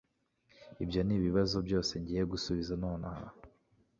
ibyo nibibazo byose ngiye gusubiza nonaha